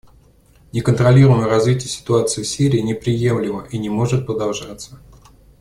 Неконтролируемое развитие ситуации в Сирии неприемлемо и не может продолжаться.